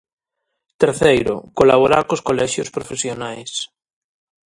Terceiro, colaborar cos colexios profesionais.